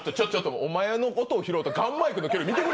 お前のことを拾うガンマイク見てくれ。